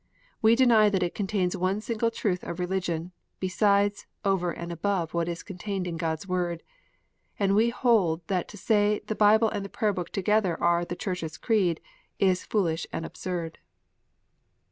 We deny that it contains one single truth of religion, besides, over and above what is contained in God s Word. And we hold that to say the Bible and Prayer book together are " the Church s Creed," is foolish and absurd.